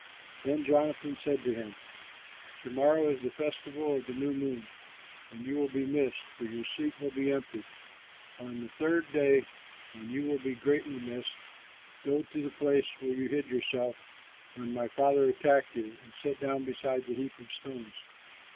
Then Jonathan said to him, "To morrow is the festival of the New Moon and you will be missed, for your seat will be empty. On the third day, when you will be greatly missed, go to the place where you hid yourself when my father attacked you, and sit down beside the heap of stones.